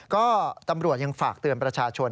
ก็ตำรวจยังฝากเตือนประชาชน